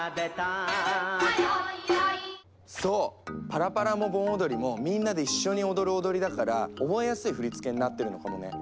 パラパラも盆踊りもみんなで一緒に踊る踊りだから覚えやすい振り付けになってるのかもね。